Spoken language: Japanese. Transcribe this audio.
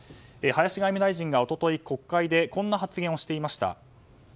林外務大臣が一昨日、国会でこんな発言をしていました。